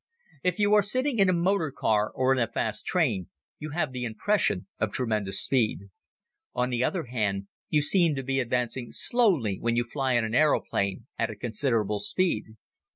If you are sitting in a motor car or in a fast train you have the impression of tremendous speed. On the other hand, you seem to be advancing slowly when you fly in an aeroplane at a considerable speed.